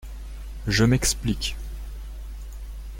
Je m’explique.